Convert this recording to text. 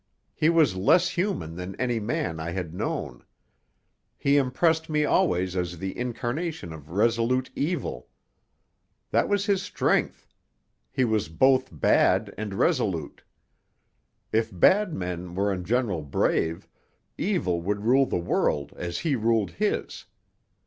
He was less human than any man I had known. He impressed me always as the incarnation of resolute evil. That was his strength he was both bad and resolute. If bad men were in general brave, evil would rule the world as he ruled his.